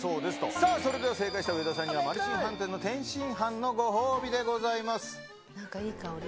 さあ、それでは正解した上田さんにはマルシン飯店の天津飯のご褒美でごいい香り。